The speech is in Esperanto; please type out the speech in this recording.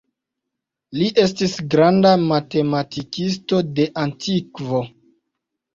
Li estis granda matematikisto de antikvo.